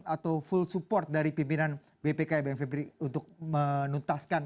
atau full support dari pimpinan bpk bnpb untuk menuntaskan